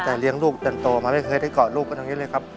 แต่เลี้ยงลูกจนโตมาไม่เคยได้เกาะลูกกันตรงนี้เลยครับ